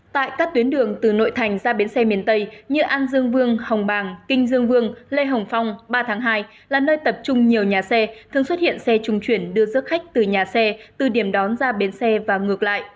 tại các tuyến đường từ nội thành ra bến xe miền tây như an dương vương hồng bàng kinh dương vương lê hồng phong ba tháng hai là nơi tập trung nhiều nhà xe thường xuất hiện xe trung chuyển đưa giấc khách từ nhà xe từ điểm đón ra bến xe và ngược lại